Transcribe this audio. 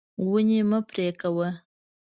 ونې مه پرې کوه.